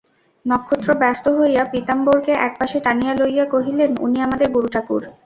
নক্ষত্র ব্যস্ত হইয়া পীতাম্বরকে এক পাশে টানিয়া লইয়া কহিলেন, উনি আমাদের গুরুঠাকুর।